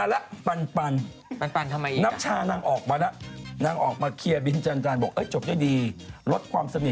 แล้วก็จะทำกดบอกว่าไข่ดาลเป็นอย่างไร